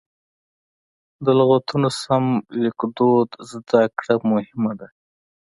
د لغتونو سمه لیکدود زده کړه مهمه ده.